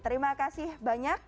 terima kasih banyak